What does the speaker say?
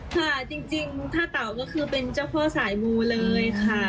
ค่ะจริงท่าเต่าก็คือเป็นเจ้าพ่อสายมูเลยค่ะ